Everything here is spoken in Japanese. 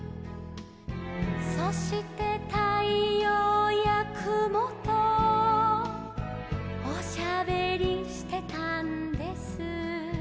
「そしてたいようやくもとおしゃべりしてたんです」